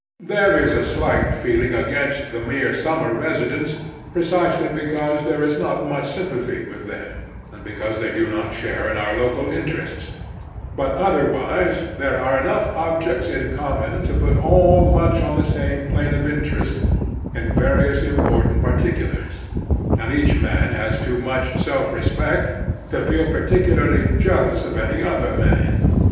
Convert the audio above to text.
There is a slight feeling against the mere stunmer residents, precisely because there is not much sym pathy with them, and because they do not share in our local interests ; but otherwise there are enough objects in common to put all much on the same plane of interest in various important particulars, and each man has too much self respect to feel particularly jealous of any other man.